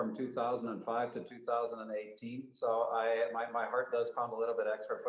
meskipun sangat sukar